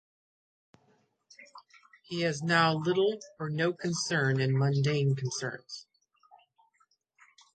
He has now little or no concern in mundane concerns.